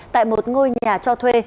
tại một ngôi nhà cho thuê